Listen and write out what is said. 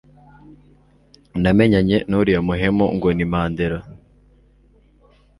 namenyanye nuriya muhemu ngo ni Mandela